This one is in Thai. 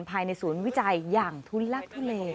ภายในศูนย์วิจัยอย่างทุลักทุเล